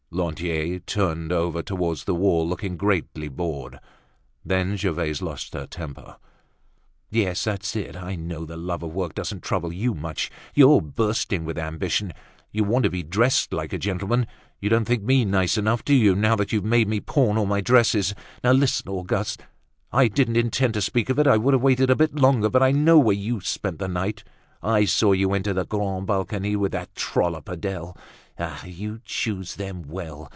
Lantier turned over towards the wall, looking greatly bored. Then Gervaise lost her temper. "Yes, that's it, I know the love of work doesn't trouble you much. You're bursting with ambition, you want to be dressed like a gentleman. You don't think me nice enough, do you, now that you've made me pawn all my dresses? Listen, Auguste, I didn't intend to speak of it, I would have waited a bit longer, but I know where you spent the night; I saw you enter the 'Grand Balcony' with that trollop Adele. Ah! you choose them well!